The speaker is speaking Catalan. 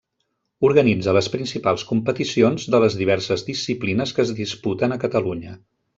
Organitza les principals competicions de les diverses disciplines que es disputen a Catalunya.